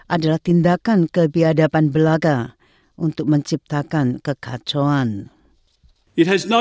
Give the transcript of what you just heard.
adalah tindakan kebiadaban belaka untuk menciptakan kekacauan